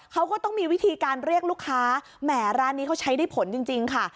เขาก็ต้องมีวิธีการเรียกลูกค้าแหมร้านนี้เขาใช้ได้ผลจริงค่ะ